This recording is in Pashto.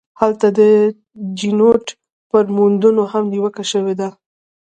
هلته د چینوت پر موندنو هم نیوکه شوې ده.